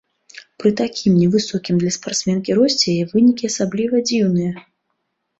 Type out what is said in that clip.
Пры такім невысокім для спартсменкі росце яе вынікі асабліва дзіўныя.